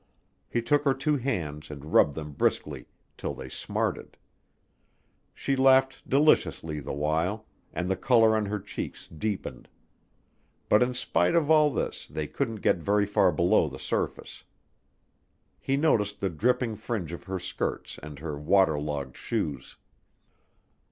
He took her two hands and rubbed them briskly till they smarted; she laughed deliciously the while, and the color on her cheeks deepened. But in spite of all this they couldn't get very far below the surface. He noticed the dripping fringe of her skirts and her water logged shoes.